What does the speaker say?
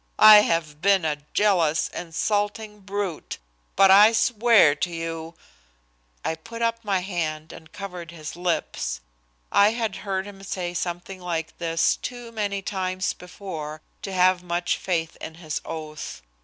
I have been a jealous, insulting brute, but I swear to you " I put up my hand and covered his lips. I had heard him say something like this too many times before to have much faith in his oath.